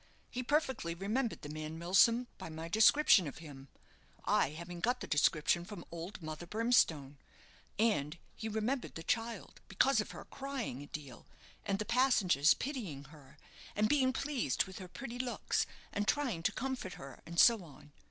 He perfectly remembered the man Milsom by my description of him, I having got the description from old Mother Brimstone; and he remembered the child, because of her crying a deal, and the passengers pitying her, and being pleased with her pretty looks, and trying to comfort her, and so on.